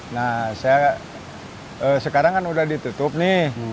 nah saya sekarang kan udah ditutup nih